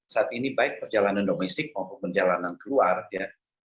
saat ini baik perjalanan domestik maupun perjalanan keluar ya itu sudah mulai banyak